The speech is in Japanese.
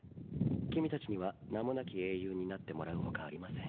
君たちには名もなき英雄になってもらうほかありません。